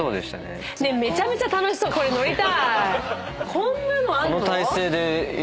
こんなのあんの？